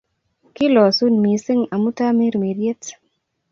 Kilosun mising' amu Tamirmiriet